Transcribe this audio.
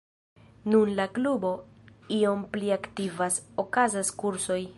Nun la klubo iom pli aktivas, okazas kursoj.